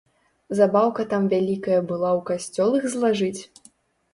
Забаўка там вялікая была ў касцёл іх злажыць?!